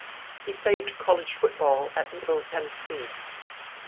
He played college football at Middle Tennessee.